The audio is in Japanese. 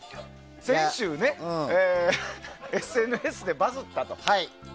先週ね、ＳＮＳでバズったと。